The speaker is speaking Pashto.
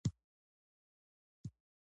ټولنیزې رسنۍ د عامه پوهاوي مهمې وسیلې دي.